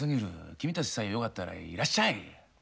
君たちさえよかったらいらっしゃい。